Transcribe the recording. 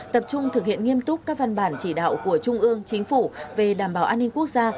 tập trung thực hiện nghiêm túc các văn bản chỉ đạo của trung ương chính phủ về đảm bảo an ninh quốc gia